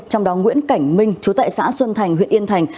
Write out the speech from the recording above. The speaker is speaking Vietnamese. trong đó nguyễn cảnh minh chú tại xã xuân thành huyện yên thành